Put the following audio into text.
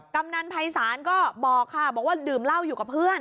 กำนันภัยศาลก็บอกค่ะบอกว่าดื่มเหล้าอยู่กับเพื่อน